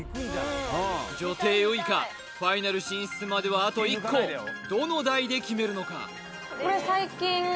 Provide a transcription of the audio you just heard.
女帝ウイカファイナル進出まではあと１個どの台で決めるのか？